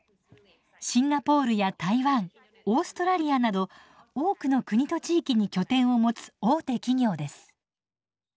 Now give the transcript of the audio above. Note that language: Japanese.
シンガポールや台湾オーストラリアなど多くの国と地域に拠点を持つ大手企業です。